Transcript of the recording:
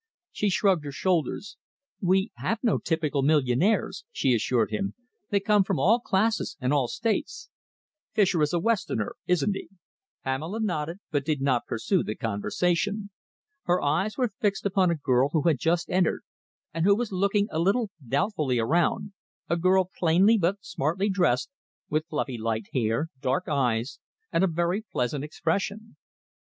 She shrugged her shoulders. "We have no typical millionaires," she assured him. "They come from all classes and all States." "Fischer is a Westerner, isn't he?" Pamela nodded, but did not pursue the conversation. Her eyes were fixed upon a girl who had just entered, and who was looking a little doubtfully around, a girl plainly but smartly dressed, with fluffy light hair, dark eyes, and a very pleasant expression.